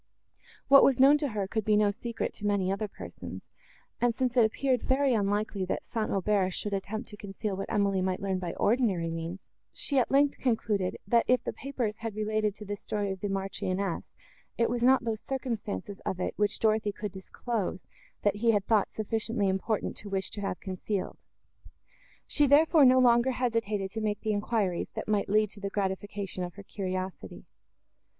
What was known to her could be no secret to many other persons; and, since it appeared very unlikely, that St. Aubert should attempt to conceal what Emily might learn by ordinary means, she at length concluded, that, if the papers had related to the story of the Marchioness, it was not those circumstances of it, which Dorothée could disclose, that he had thought sufficiently important to wish to have concealed. She, therefore, no longer hesitated to make the enquiries, that might lead to the gratification of her curiosity.